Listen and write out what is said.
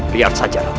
biar saja ratu